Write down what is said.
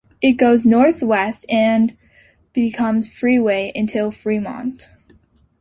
It goes northwest and becomes freeway until Fremont.